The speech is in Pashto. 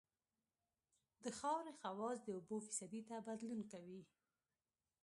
د خاورې خواص د اوبو فیصدي ته بدلون کوي